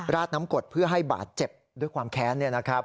ราดน้ำกดเพื่อให้บาดเจ็บด้วยความแค้น